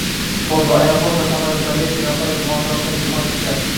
Foto: Aeroport va samolyotlardagi sayyohlar e’tiborini tortgan o‘ziga xosliklar